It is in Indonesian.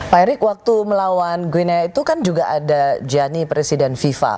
pak erick waktu melawan gwina itu kan juga ada gianni presiden fifa